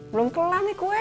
belum kelam nih kue